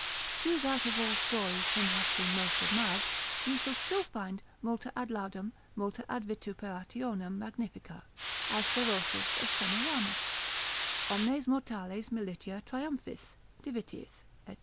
Choose out of all stories him that hath been most admired, you shall still find, multa ad laudem, multa ad vituperationem magnifica, as Berosus of Semiramis; omnes mortales militia triumphis, divitiis, &c.